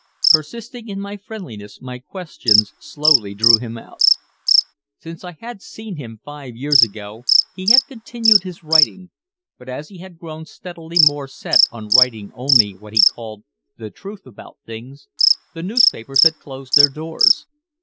Persisting in my friendliness my questions slowly drew him out. Since I had seen him five years ago he had continued his writing, but as he had grown steadily more set on writing only what he called "the truth about things," the newspapers had closed their doors.